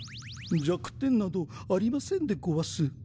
弱点などありませんでゴワス。